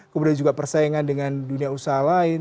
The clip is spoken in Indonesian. kemudian juga persaingan dengan dunia usaha lain